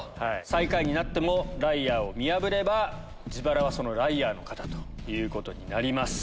最下位になってもライアーを見破れば自腹はそのライアーの方ということになります。